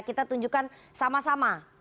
kita tunjukkan sama sama